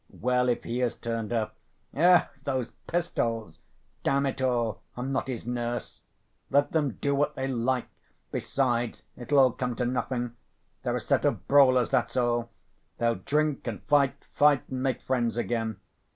Well, if he has turned up.... Ech, those pistols! Damn it all! I'm not his nurse! Let them do what they like! Besides, it'll all come to nothing. They're a set of brawlers, that's all. They'll drink and fight, fight and make friends again.